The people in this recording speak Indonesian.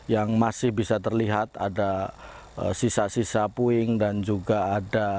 yang masih bisa terlihat ada sisa sisa puing dan juga ada